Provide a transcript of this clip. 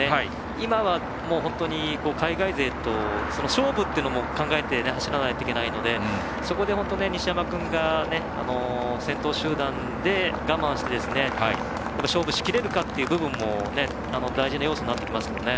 今は本当に海外勢と勝負も考えて走らないといけないのでそこで、本当に西山君が先頭集団で我慢して勝負しきれるかっていう部分も大事な要素になってきますね。